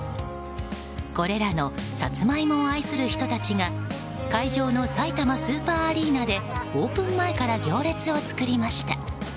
これらのサツマイモを愛する人たちが会場のさいたまスーパーアリーナでオープン前から行列を作りました。